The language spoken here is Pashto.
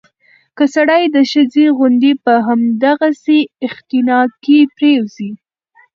که سړى د ښځې غوندې په همدغسې اختناق کې پرېوځي